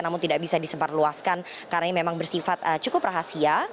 namun tidak bisa disebarluaskan karena ini memang bersifat cukup rahasia